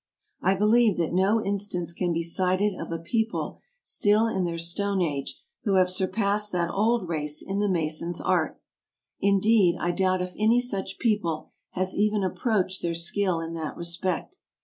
I believe that no instance can be cited of a people still in their Stone Age who have surpassed that old race in the mason's art: indeed, I doubt if any such people has even approached their skill in that respect.